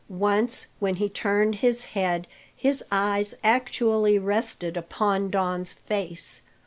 Once when he turned his head his eyes actually rested upon Don's face.